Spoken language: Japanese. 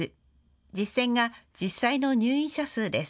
実線が実際の入院者数です。